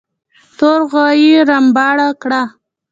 تور غوايي رمباړه کړه.